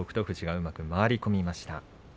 富士がうまく回り込みました。